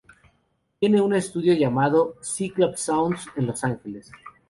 Tiene un estudio llamado Cyclops Sound en Los Angeles.